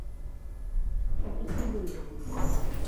তাকে কী বললেন?